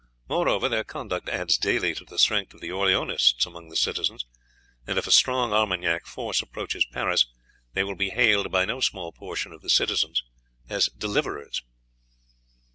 Moreover, their conduct adds daily to the strength of the Orleanists among the citizens, and if a strong Armagnac force approaches Paris they will be hailed by no small portion of the citizens as deliverers."